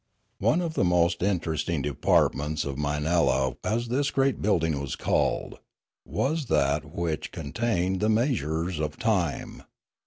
One of the most interesting departments of Minella, as this great building was called, was that which con tained the measurers of time.